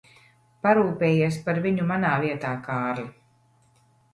Parūpējies par viņu manā vietā, Kārli.